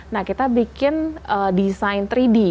nah kita bikin desain tiga d